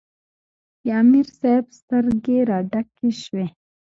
د امیر صېب سترګې راډکې شوې ـ